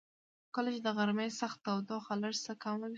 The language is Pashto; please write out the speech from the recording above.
کله چې د غرمې سخته تودوخه لږ څه کمه شوه.